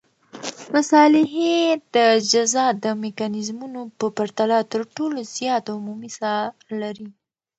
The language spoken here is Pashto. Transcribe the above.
مصالحې د جزا د میکانیزمونو په پرتله تر ټولو زیات عمومي ساه لري.